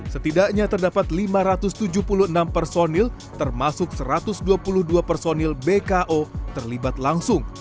setidaknya terdapat lima ratus tujuh puluh enam personil termasuk satu ratus dua puluh dua personil bko terlibat langsung